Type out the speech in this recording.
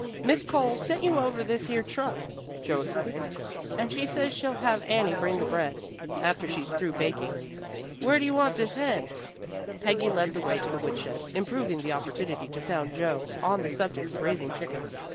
"Mis' Cole sent you over this here truck," Joe explained, "and she says she'll have Annie bring the bread, after she's through baking. Where d'you want this hen?" Peggy led the way to the woodshed, improving the opportunity to sound Joe on the subject of raising chickens.